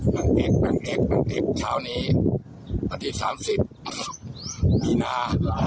หลังเอ็กซ์หลังเอ็กซ์หลังเอ็กซ์ช้าวนี้อาทิตย์๓๐นี้หน้า